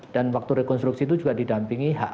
dan waktu rekonstruksi itu juga didampingi